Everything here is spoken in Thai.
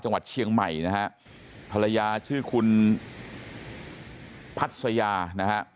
จังหวัดเชียงใหม่นะฮะภรรยาชื่อคุณพัศยานะฮะ